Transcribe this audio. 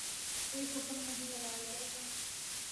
کہ کوئی حکم نہیں لگایا جائے گا